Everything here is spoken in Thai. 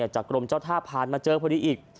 จากกรมเจ้าท่าผ่านมาเจอพอดีอีก